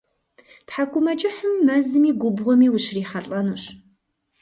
Тхьэкӏумэкӏыхьым мэзми губгъуэми ущрихьэлӏэнущ.